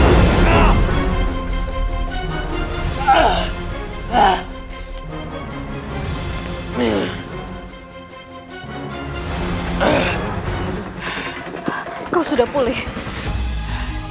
yang akan menerima random adamyjahil